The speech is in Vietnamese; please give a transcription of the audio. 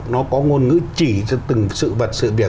nó có ngôn ngữ chỉ cho từng sự vật